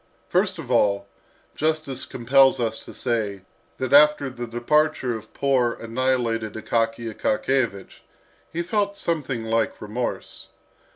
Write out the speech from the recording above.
First of all, justice compels us to say, that after the departure of poor, annihilated Akaky Akakiyevich, he felt something like remorse.